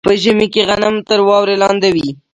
په ژمي کې غنم تر واورې لاندې وي.